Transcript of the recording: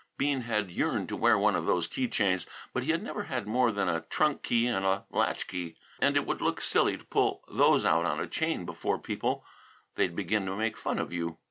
Bean had yearned to wear one of those key chains, but he had never had more than a trunk key and a latch key, and it would look silly to pull those out on a chain before people; they'd begin to make fun of you!